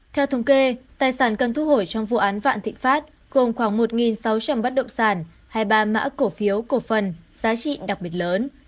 theo thống kê tài sản cần thu hồi trong vụ án vạn thịnh pháp gồm khoảng một sáu trăm linh bất động sản hai mươi ba mã cổ phiếu cổ phần giá trị đặc biệt lớn